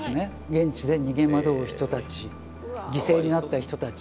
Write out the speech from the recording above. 現地で逃げ惑う人たち犠牲になった人たち。